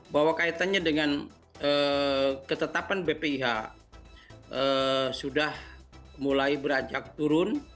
bahwa kaitannya dengan ketetapan bpih sudah mulai beranjak turun